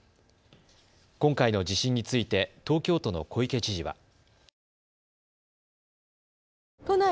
今回の地震について東京都の小池知事は。